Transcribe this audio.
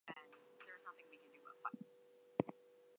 Lower Silesia is one of the richest regions in Poland.